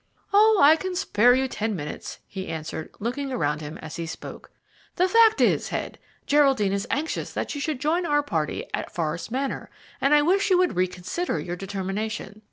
"Oh, I can spare you ten minutes," he answered, looking around him as he spoke. "The fact is this, Head, Geraldine is anxious that you should join our party at Forest Manor, and I wish you would reconsider your determination.